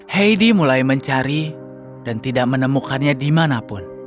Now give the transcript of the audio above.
heidi mulai mencari dan tidak menemukannya di mana pun